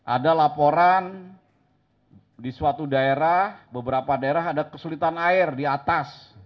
ada laporan di suatu daerah beberapa daerah ada kesulitan air di atas